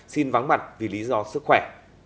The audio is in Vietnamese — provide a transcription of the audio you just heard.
xin vắng mặt vì lý do sức khỏe